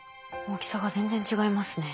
大きさが全然違いますね。